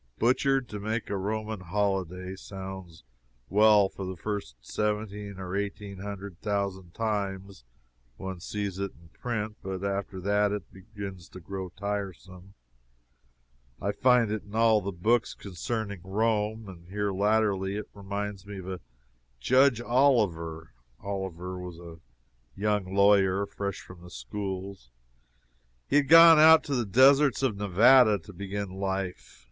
Butchered to make a Roman holiday sounds well for the first seventeen or eighteen hundred thousand times one sees it in print, but after that it begins to grow tiresome. I find it in all the books concerning Rome and here latterly it reminds me of Judge Oliver. Oliver was a young lawyer, fresh from the schools, who had gone out to the deserts of Nevada to begin life.